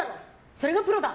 それがプロだ！